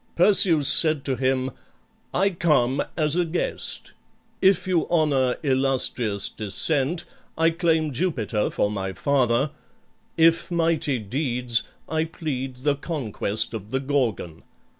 Perseus said to him, "I come as a guest. If you honor illustrious descent, I claim Jupiter for my father; if mighty deeds, I plead the conquest of the Gorgon.